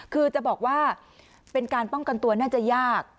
คือจะบอกว่าเป็นการป้องกันตัวน่าจะยาก